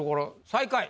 最下位。